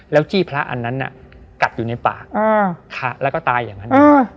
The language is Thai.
แล้วจี้พระอันนั้นกัดอยู่ในปากแล้วก็ตายอย่างนั้น